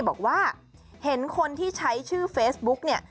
บอกว่าเห็นคนที่ใช้ชื่อเฟซบุ๊กเนี่ย